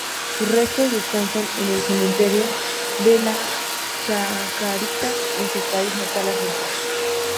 Sus restos descansan en el Cementerio de la Chacarita, en su país natal, Argentina.